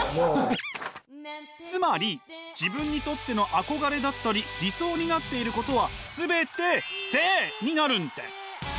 つまり自分にとっての憧れだったり理想になっていることは全て聖になるんです。